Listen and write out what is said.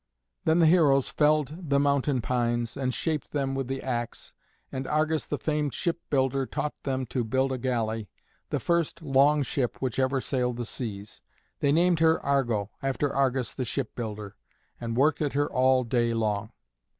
Then the heroes felled the mountain pines and shaped them with the axe, and Argus the famed shipbuilder taught them to build a galley, the first long ship which ever sailed the seas. They named her Argo, after Argus the shipbuilder, and worked at her all day long.